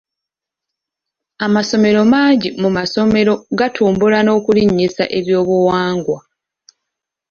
Amasomo mangi mu masomero gatumbula n'okulinnyisa ebyobuwangwa.